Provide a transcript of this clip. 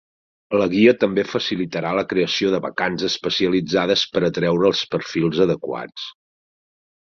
La guia també facilitarà la creació de vacants especialitzades per atreure els perfils adequats.